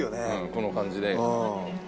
この感じ。